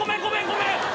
ごめん！